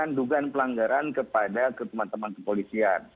dugaan pelanggaran kepada teman teman kepolisian